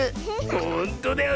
ほんとだよ。